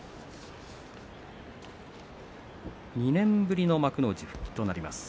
２年ぶりの幕内復帰です。